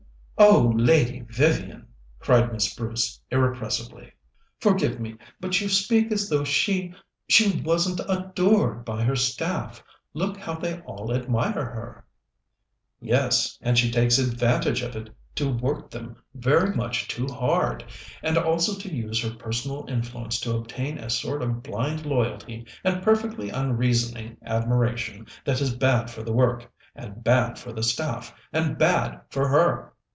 "Oh, Lady Vivian!" cried Miss Bruce irrepressibly. "Forgive me, but you speak as though she she wasn't adored by her staff. Look how they all admire her!" "Yes, and she takes advantage of it to work them very much too hard, and also to use her personal influence to obtain a sort of blind loyalty and perfectly unreasoning admiration that is bad for the work, and bad for the staff, and bad for her!